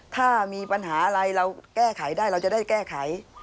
ถ้ามีปัญหาอะไรเราแก้ไขได้เราจะได้แก้ไข